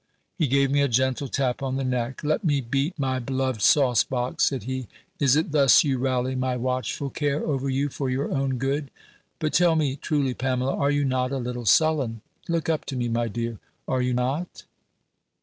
He gave me a gentle tap on the neck: "Let me beat my beloved sauce box," said he: "is it thus you rally my watchful care over you for your own good? But tell me, truly, Pamela, are you not a little sullen? Look up to me, my dear. Are you not?"